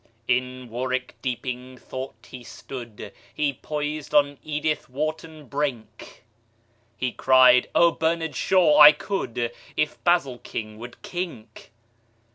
In warwick deeping thought he stood He poised on edithwharton brink; He cried, "Ohbernardshaw! I could If basilking would kink."